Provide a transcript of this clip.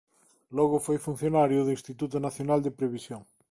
Logo foi funcionario do Instituto Nacional de Previsión.